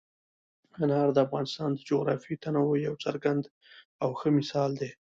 انار د افغانستان د جغرافیوي تنوع یو څرګند او ښه مثال دی.